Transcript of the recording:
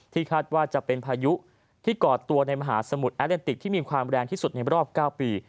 คาดว่าจะเป็นพายุที่ก่อตัวในมหาสมุทรแอเลนติกที่มีความแรงที่สุดในรอบ๙ปี